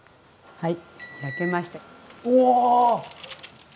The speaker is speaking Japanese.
はい。